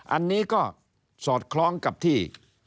อันนี้ก็สอดคล้องกับที่